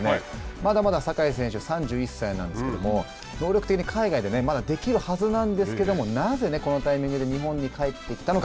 まだまだ酒井選手３１歳なんですけども能力的に海外でまだできるはずなんですけどもなぜ、このタイミングで日本に帰ってきたのか。